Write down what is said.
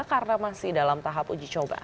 karena masih dalam tahap uji coba